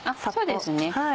そうですね。